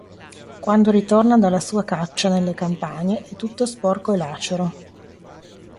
Quando ritorna dalla sua "caccia" nelle campagne, è tutto sporco e lacero.